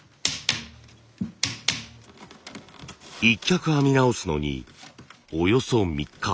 １脚編み直すのにおよそ３日。